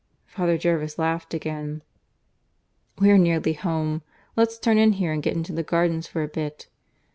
Father Jervis laughed again. "We're nearly home. Let's turn in here, and get into the gardens for a bit.